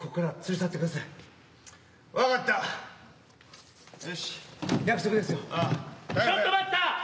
・ちょっと待った。